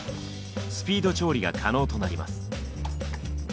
スピード調理が可能となります。